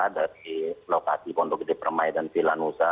dari lokasi pondok gede permai dan vilanusa